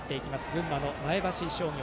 群馬の前橋商業。